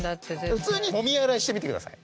普通にもみ洗いしてみてください。